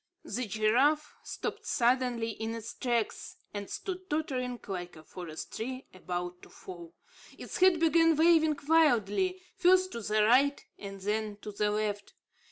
The giraffe stopped suddenly in its tracks, and stood tottering like a forest tree about to fall. Its head began waving wildly, first to the right and then to the left.